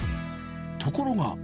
ところが。